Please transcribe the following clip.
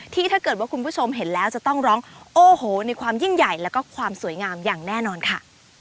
ถ้าเกิดว่าคุณผู้ชมเห็นแล้วจะต้องร้องโอ้โหในความยิ่งใหญ่แล้วก็ความสวยงามอย่างแน่นอนค่ะ